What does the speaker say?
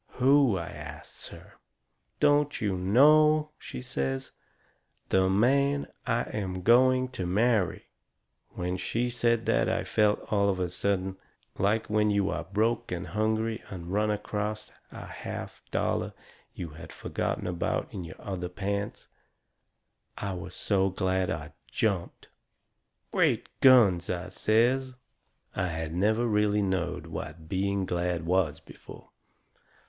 "Who?" I asts her. "Don't you know?" she says. "The man I am going to marry." When she said that I felt, all of a sudden, like when you are broke and hungry and run acrost a half dollar you had forgot about in your other pants. I was so glad I jumped. "Great guns!" I says. I had never really knowed what being glad was before.